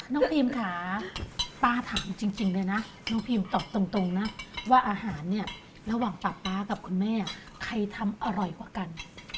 พี่พีมค่ะป๊าถามจริงเลยนะน้องพีมตอบตรงนะว่าอาหารเนี่ยระหว่างป๊าป๊ากับคุณแม่ใครทำอร่อยกว่ากัน